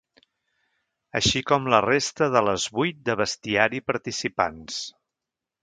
Així com la resta de les vuit de bestiari participants.